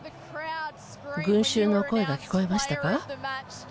群集の声が聞こえましたか？